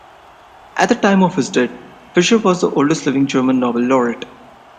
At the time of his death, Fischer was the oldest living German Nobel laureate.